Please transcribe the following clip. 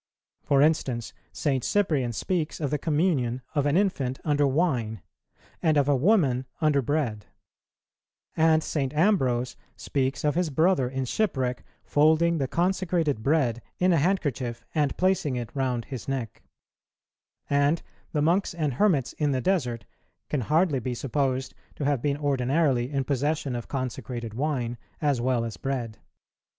For instance, St. Cyprian speaks of the communion of an infant under Wine, and of a woman under Bread; and St. Ambrose speaks of his brother in shipwreck folding the consecrated Bread in a handkerchief, and placing it round his neck; and the monks and hermits in the desert can hardly be supposed to have been ordinarily in possession of consecrated Wine as well as Bread.